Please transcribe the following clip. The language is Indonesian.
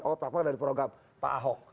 oh pertama dari program pak ahok